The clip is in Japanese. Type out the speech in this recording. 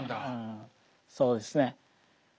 そうですね。